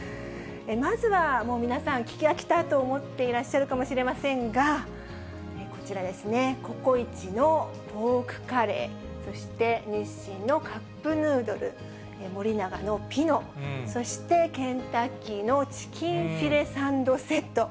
まずは、もう皆さん、聞き飽きたと思っていらっしゃるかもしれませんが、こちらですね、ココ壱のポークカレー、そして日清のカップヌードル、森永のピノ、そしてケンタッキーのチキンフィレサンドセット。